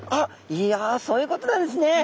いやそういうことなんですね。